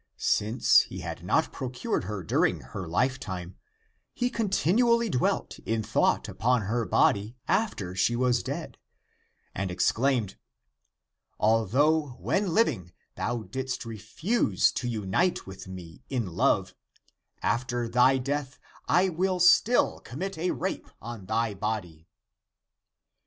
Since he had not procured her during her lifetime, he continually dwelt in thought upon her body after she was dead, and ex claimed, " Although when living thou didst refuse to unite with me in love, after thy death I will still commit a rape on thy body."